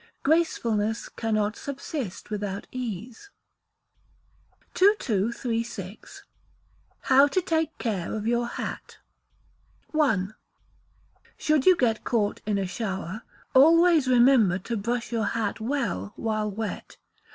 Gracefulness cannot subsist without ease. 2236. How to take care of your Hat. i. Should you get caught in a shower, always remember to brush your hat well while wet.